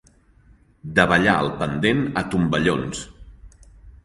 Davallar el pendent a tomballons.